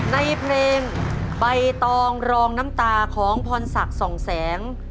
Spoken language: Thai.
ในเพลงใบตองรองน้ำตาของพรศักดิ์ส่องแสง